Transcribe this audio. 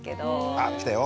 あ来たよ